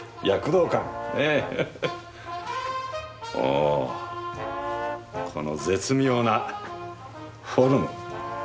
おこの絶妙なフォルム。